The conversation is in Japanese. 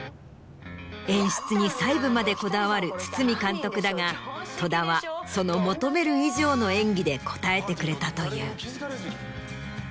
演出に細部までこだわる堤監督だが戸田はその求める以上の演技で応えてくれたという。